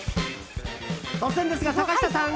突然ですが、坂下さん！